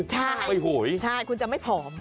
ใช่คุณจะไม่ผอม